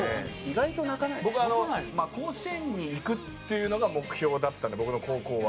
僕あの甲子園に行くっていうのが目標だったんで僕の高校は。